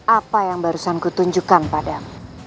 apa yang barusan ku tunjukkan padam